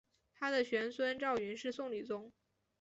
他的玄孙赵昀是宋理宗。